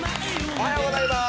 おはようございます。